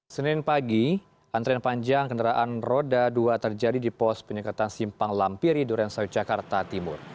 senin pagi antrean panjang kendaraan roda dua terjadi di pos penyekatan simpang lampiri durensau jakarta timur